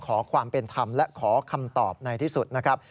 ขอความเป็นธรรมและขอคำตอบในที่สุดนะครับ